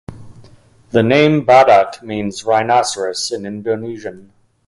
The name "Badak" means rhinoceros in Indonesian.